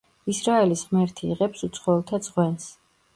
ისრაელის ღმერთი იღებს უცხოელთა ძღვენს.